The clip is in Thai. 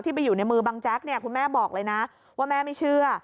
ไปอยู่ในมือบังแจ๊กเนี่ยคุณแม่บอกเลยนะว่าแม่ไม่เชื่อ